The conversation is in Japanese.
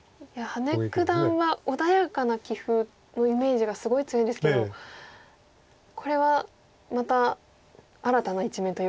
羽根九段は穏やかな棋風のイメージがすごい強いんですけどこれはまた新たな一面というか。